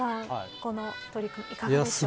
この取り組み、いかがですか。